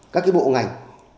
các cái bộ ngành